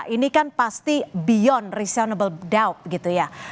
ini kan pasti beyond resonable doub gitu ya